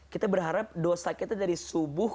kita berharap dosa kita dari subuh